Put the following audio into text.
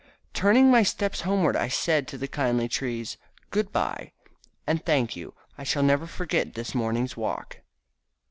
Turning my steps homeward I said to the kindly trees, "Good by, and thank you. I shall never forget this morning's walk."